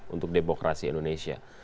untuk demokrasi indonesia